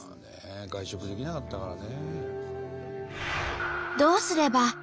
外食できなかったからね。